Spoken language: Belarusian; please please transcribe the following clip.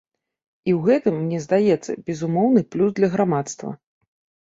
І ў гэтым, мне здаецца, безумоўны плюс для грамадства.